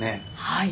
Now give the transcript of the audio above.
はい。